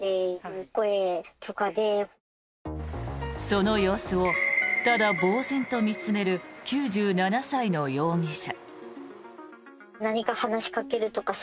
その様子をただぼうぜんと見つめる９７歳の容疑者。